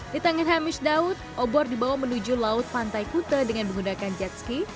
di tangan hamish daud obor dibawa menuju laut pantai kute dengan menggunakan jet ski